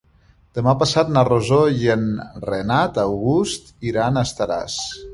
Demà passat na Rosó i en Renat August iran a Estaràs.